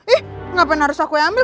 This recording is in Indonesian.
ih ngapain harus aku yang ambil